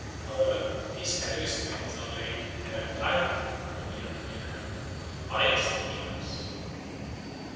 However, these heavy restraints are laid in their entirety only on milkmen of the very highest class.